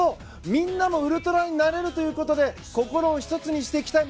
みんなのウルトラになれるということで心を１つにしていきたい。